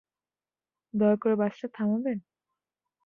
দয়া করে বাসটা থামাবেন?